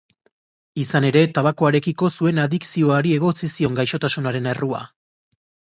Izan ere, tabakoarekiko zuen adikzioari egotzi zion gaixotasunaren errua.